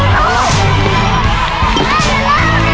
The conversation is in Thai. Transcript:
แม่แม่